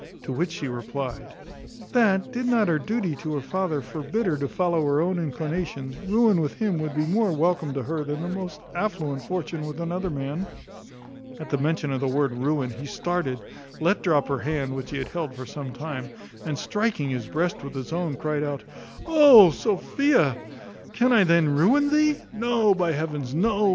To which she replied, "That, did not her duty to her father forbid her to follow her own inclinations, ruin with him would be more welcome to her than the most affluent fortune with another man." At the mention of the word ruin, he started, let drop her hand, which he had held for some time, and striking his breast with his own, cried out, "Oh, Sophia! can I then ruin thee? No; by heavens, no!